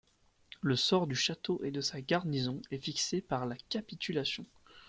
Le sort du château et de sa garnison est fixé par la capitulation.